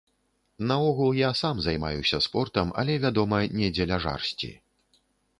Наогул я сам займаюся спортам, але, вядома, не дзеля жарсці.